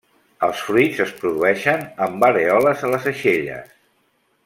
Els fruits es produeixen amb arèoles a les aixelles.